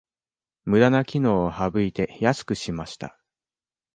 ムダな機能を省いて安くしました